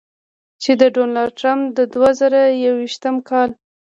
چې د ډونالډ ټرمپ د دوه زره یویشتم کال